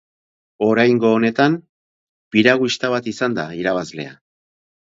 Oraingo honetan, piraguista bat izan da irabazlea.